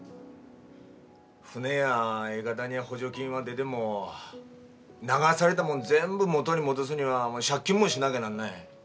船や、いかだに補助金は出でも流されたもん全部、元に戻すには借金もしなぎゃなんない。